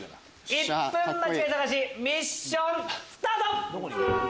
１分間違い探しミッションスタート！